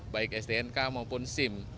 baik stnk maupun sim